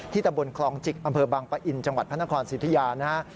ตะบนคลองจิกอำเภอบังปะอินจังหวัดพระนครสิทธิยานะฮะ